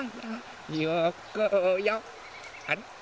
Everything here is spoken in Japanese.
あれ？